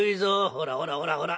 「ほらほらほらほら。